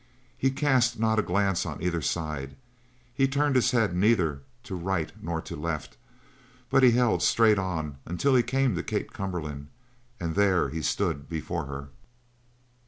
He cast not a glance on either side. He turned his head neither to right nor to left. But he held straight on until he came to Kate Cumberland and there he stood before her.